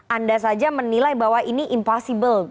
anda saja menilai bahwa ini impossible